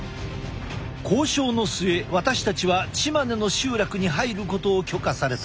交渉の末私たちはチマネの集落に入ることを許可された。